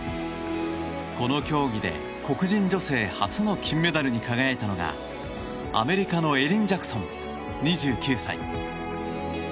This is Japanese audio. この競技で黒人女性初の金メダルに輝いたのがアメリカのエリン・ジャクソン、２９歳。